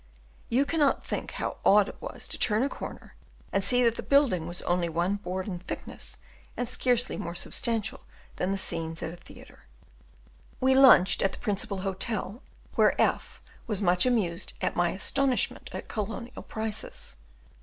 You cannot think how odd it was to turn a corner and see that the building was only one board in thickness, and scarcely more substantial than the scenes at a theatre. We lunched at the principal hotel, where F was much amused at my astonishment at colonial prices.